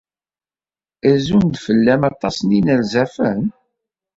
Rezzun-d fell-am aṭas n yinerzafen?